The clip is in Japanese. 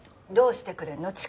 どうしてくれるの？